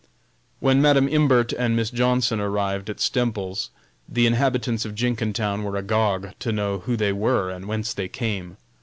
When Madam Imbert and Miss Johnson arrived at Stemples's, the inhabitants of Jenkintown were agog to know who they were and whence they came.